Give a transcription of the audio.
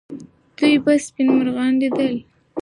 دوی به سپین مرغان لیدل.